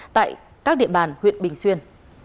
tại các địa bàn huyện bình xuyên